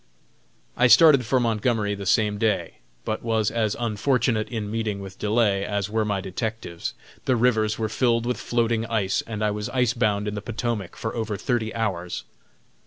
I started for Montgomery the same day, but was as unfortunate in meeting with delay as were my detectives. The rivers were filled with floating ice and I was ice bound in the Potomac for over thirty hours.